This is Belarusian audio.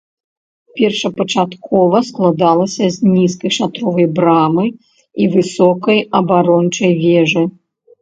Першапачаткова складалася з нізкай шатровай брамы і высокай абарончай вежы.